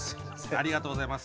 ありがとうございます。